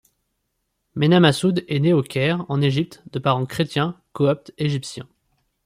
Mena Massoud est né au Caire, en Égypte, de parents chretiens copte égyptiens.